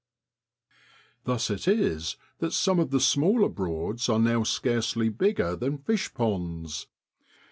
Thus it is that some of the smaller broads are now scarcely bigger than fish ponds.